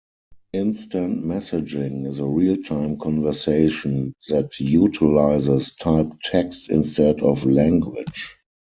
Instant messaging is a real time conversation that utilizes typed text instead of language.